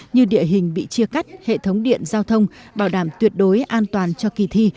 như địa hình bị chia cắt hệ thống điện giao thông bảo đảm tuyệt đối an toàn cho kỳ thi